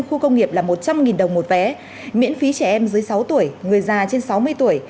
khu công nghiệp là một trăm linh đồng một vé miễn phí trẻ em dưới sáu tuổi người già trên sáu mươi tuổi